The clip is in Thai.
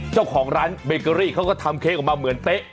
เจ้าของร้านเบเกอรี่เขาก็ทำเค้กออกมาเหมือนเต๊ะ